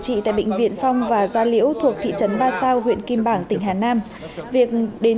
trị tại bệnh viện phong và gia liễu thuộc thị trấn ba sao huyện kim bảng tỉnh hà nam việc đến